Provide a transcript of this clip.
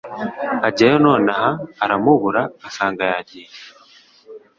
Ajyayo nonaha ara mubura asanga yajyiye.